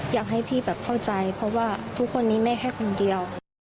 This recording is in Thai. อยากให้พี่แบบเข้าใจเพราะว่าทุกคนนี้แม่แค่คนเดียว